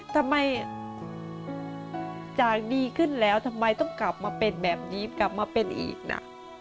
ทำไมจากดีขึ้นแล้วทำไมต้องกลับมาเป็นแบบนี้กลับมาเป็นอีกนะ